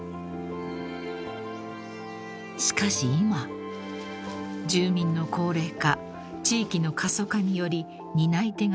［しかし今住民の高齢化地域の過疎化により担い手が不足］